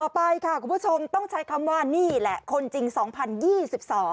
ไปค่ะคุณผู้ชมต้องใช้คำว่านี่แหละคนจริงสองพันยี่สิบสอง